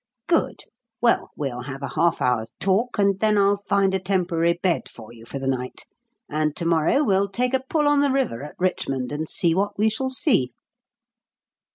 "Good. Well, we'll have a half hour's talk and then I'll find a temporary bed for you for the night, and to morrow we'll take a pull on the river at Richmond and see what we shall see."